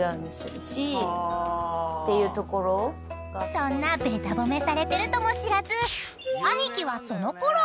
［そんなべた褒めされてるとも知らずアニキはそのころ］